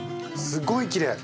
すごいきれい！